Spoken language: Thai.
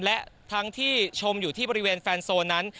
และทั้งที่ชมอยู่ที่บริเวณแฟนโซนนั้น